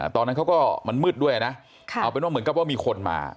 ตอนนั้นเขาก็มันมืดด้วยนะเอาเป็นว่าเหมือนกับว่ามีคนมา